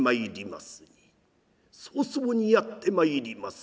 早々にやって参ります